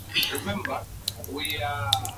Huo ni upanuzi wa wigo wa kodi mbalimbali